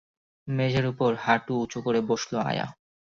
মেঝের উপর হাঁটু উঁচু করে বসল আয়া।